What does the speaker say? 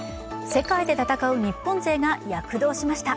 世界で戦う日本勢が躍動しました。